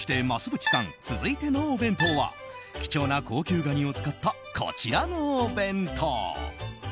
ぶちさん続いてのお弁当は貴重な高級ガニを使ったこちらのお弁当。